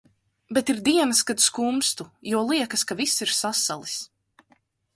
Bet ir dienas, kad skumstu, jo liekas, ka viss ir sasalis.